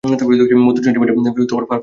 মধুচন্দ্রিমাটা perfect হবে, সোনা।